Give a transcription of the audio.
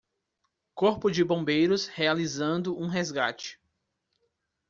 Corpo de bombeiros realizando um resgate.